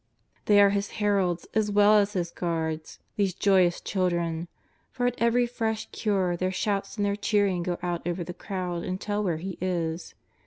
They are His heralds, as well as His guards, these joyous children, for at every fresh cure their shouts and their cheering go out over the crowd and tell where He is.